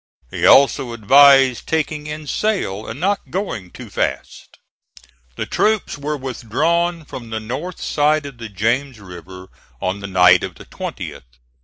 He also advised taking in sail, and not going too fast. The troops were withdrawn from the north side of the James River on the night of the 20th.